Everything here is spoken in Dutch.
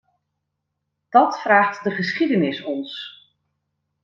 Dat vraagt de geschiedenis ons.